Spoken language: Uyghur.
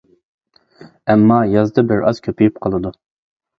ئەمما يازدا بىر ئاز كۆپىيىپ قالىدۇ.